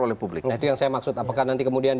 oleh publik nah itu yang saya maksud apakah nanti kemudian